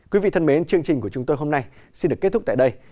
quý vị thân mến chương trình của chúng tôi hôm nay xin được kết thúc tại đây